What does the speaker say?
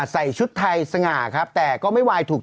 ใส่ชุดไทยสง่าแต่ก็ไม่ไวศ์ถูก